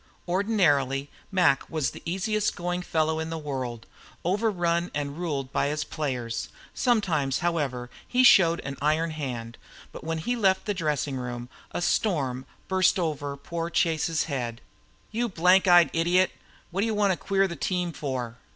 Ordinarily Mac was the easiest going fellow in the world, overrun and ruled by his players; sometimes, however, he showed an iron hand. But when he had left the dressing room a storm burst over poor Chase's head. "You blank eyed idiot! What do you want to queer the team for?"